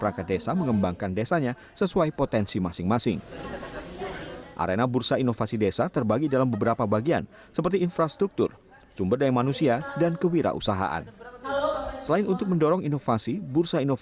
salah satu pengunjung mengaku sangat terbantu dengan adanya bursa inovasi desa ini dan tertarik dengan ide pemanfaatan lahan rawa menjadi kolam ikan